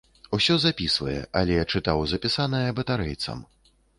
Усё запісвае, але чытаў запісанае батарэйцам.